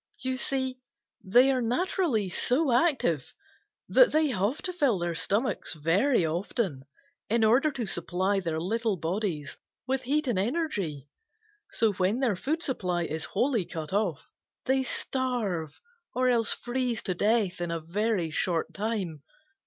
You see, they are naturally so active that they have to fill their stomachs very often in order to supply their little bodies with heat and energy. So when their food supply is wholly cut off, they starve or else freeze to death in a very short time.